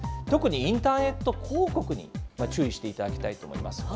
特にインターネット広告に注意していただきたいと思います。